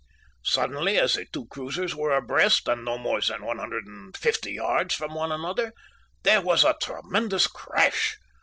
"Suddenly, as the two cruisers were abreast and no more than 150 yards from one another, there was a tremendous crash.